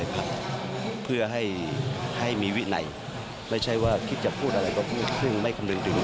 แต่ในความจริงแล้วในระดับแก้นลงของภาคจริง